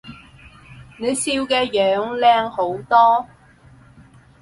你笑嘅樣靚好多